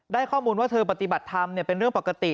ข้อมูลว่าเธอปฏิบัติธรรมเป็นเรื่องปกติ